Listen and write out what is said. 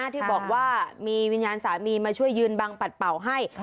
ที่บอกว่ามีวิญญาณสามีมาช่วยยืนบังปัดเป่าให้